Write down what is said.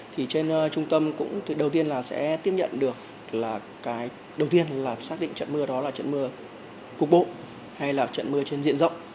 thì trên trung tâm cũng đầu tiên là sẽ tiếp nhận được là cái đầu tiên là xác định trận mưa đó là trận mưa cục bộ hay là trận mưa trên diện rộng